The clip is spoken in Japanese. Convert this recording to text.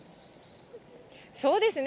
そうですね。